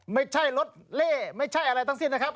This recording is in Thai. ไม่ใช่รถเล่ไม่ใช่อะไรทั้งสิ้นนะครับ